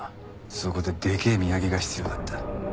そこででけえ土産が必要だった。